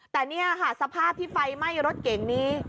แต่นี่ค่ะสภาพที่ไฟไหม้รถเก่งนี้